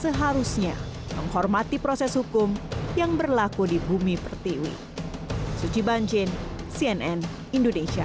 seharusnya menghormati proses hukum yang berlaku di bumi pertiwi